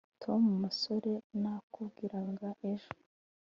tom numusore nakubwiraga ejo